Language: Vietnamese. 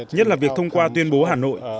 nhất là việc thông qua tuyên bố hà nội